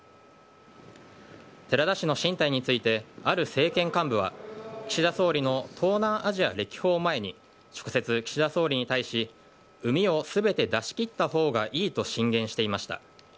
寺田氏の進退について、ある政権幹部は、岸田総理の東南アジア歴訪前に、直接、岸田総理に対し、うみをすべて出しきったほうがいいと進言していました。